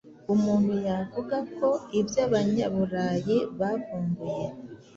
Umuntu yavuga ko ibyo Abanyaburayi bavumbuye